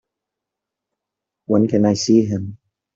When can I see him?